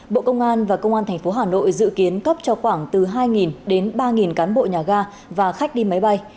bộ công an và công an tp hà nội dự kiến cấp cho khoảng từ hai đến ba cán bộ nhà ga và khách đi máy bay